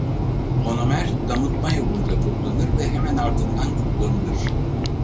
Monomer damıtma yoluyla toplanır ve hemen ardından kullanılır.